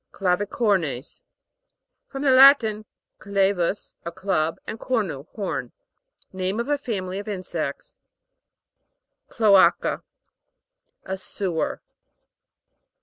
CLAVICOR'NES. From the Latin, cla vus, a club, and cornu, horn. Name of a family of insects. CLO'ACA. A sewer.